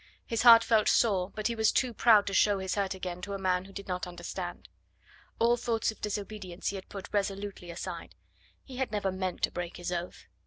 His heart felt sore, but he was too proud to show his hurt again to a man who did not understand. All thoughts of disobedience he had put resolutely aside; he had never meant to break his oath.